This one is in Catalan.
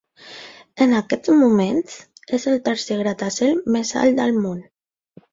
En aquests moments és el tercer gratacel més alt del món.